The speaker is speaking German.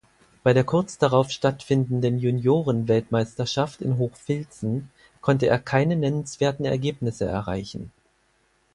Bei der kurz darauf stattfindenden Junioren-Weltmeisterschaft in Hochfilzen konnte er keine nennenswerten Ergebnisse erreichen.